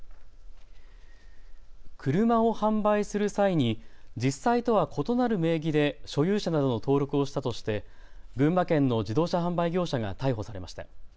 車を販売する際に実際とは異なる名義で所有者などの登録をしたとして群馬県の自動車販売業者が逮捕されました。